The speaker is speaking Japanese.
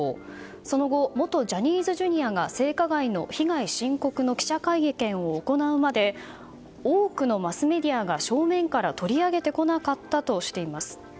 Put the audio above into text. その後、元ジャニーズＪｒ．が性加害の被害申告の記者会見を行うまで多くのマスメディアが正面から取り上げてこなかったとしています。